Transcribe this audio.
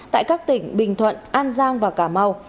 tại các tỉnh bình thuận an giang và cà mau